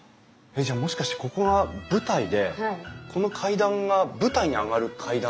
じゃあもしかしてここは舞台でこの階段が舞台に上がる階段？